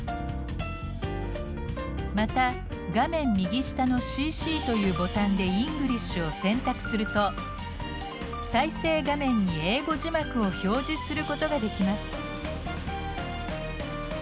また画面右下の「ＣＣ」というボタンで「Ｅｎｇｌｉｓｈ」を選択すると再生画面に英語字幕を表示することができます。